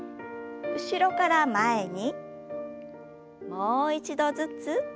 もう一度ずつ。